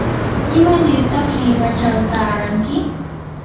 ¿imanirta limachaw taaranki?